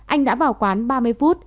anh đã vào quán ba mươi phút